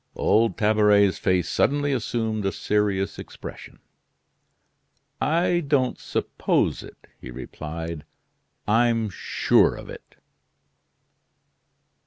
Old Tabaret's face suddenly assumed a serious expression. "I don't suppose it," he replied; "I'm sure of it."